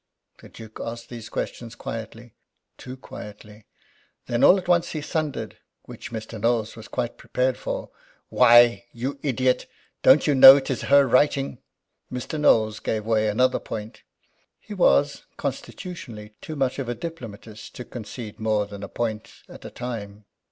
The Duke asked these questions quietly too quietly. Then, all at once, he thundered which Mr. Knowles was quite prepared for "Why, you idiot, don't you know it is her writing?" Mr. Knowles gave way another point. He was, constitutionally, too much of a diplomatist to concede more than a point at a time.